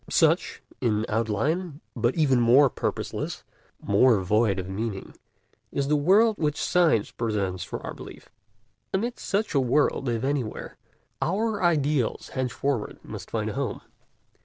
'" Such, in outline, but even more purposeless, more void of meaning, is the world which Science presents for our belief. Amid such a world, if anywhere, our ideals henceforward must find a home.